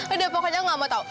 udah pokoknya nggak mau tahu